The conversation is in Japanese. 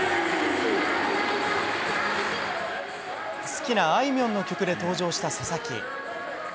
好きなあいみょんの曲で登場した佐々木。